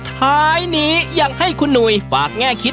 ท้ายนี้ยังให้คุณหนุ่ยฝากแง่คิด